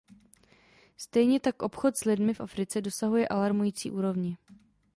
Stejně tak obchod s lidmi v Africe dosahuje alarmující úrovně.